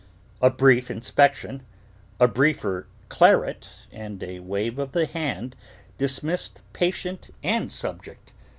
A brief inspection, a briefer " claret," and a wave of the hand dis missed patient and subject.